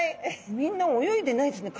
みんな泳いでないですね体